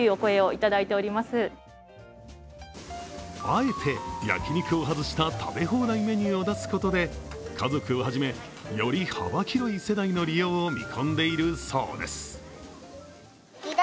あえて焼き肉を外した食べ放題メニューを出すことで家族をはじめ、より幅広い世代の利用を見込んでいるそうです。